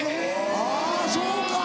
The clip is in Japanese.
あぁそうか！